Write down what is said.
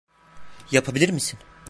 Yapabilir misin?